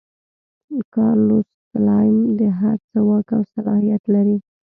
کارلوس سلایم د هر څه واک او صلاحیت لري.